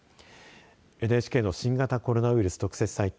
ＮＨＫの新型コロナウイルス特設サイト